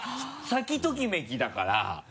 先ときめきだから。